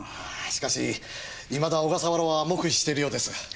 しかしいまだ小笠原は黙秘しているようです。